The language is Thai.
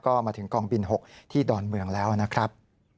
ก็มาถึงกองบิน๖ที่ดอนเมืองแล้วนะครับ